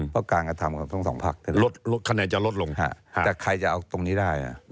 เพราะการกัญจำให้ตัวสองพักคาแนนจะลดลงแต่ใครจะเอาตรงนี้ได้